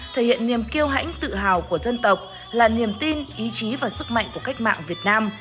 thể hiện niềm kiêu hãnh tự hào của dân tộc là niềm tin ý chí và sức mạnh của cách mạng việt nam